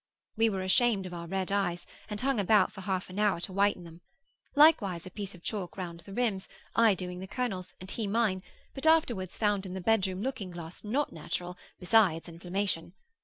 We were ashamed of our red eyes, and hung about for half an hour to whiten them. Likewise a piece of chalk round the rims, I doing the colonel's, and he mine, but afterwards found in the bedroom looking glass not natural, besides inflammation.